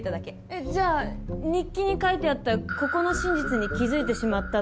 えっじゃあ日記に書いてあった「ここの真実に気づいてしまった」っていうのは？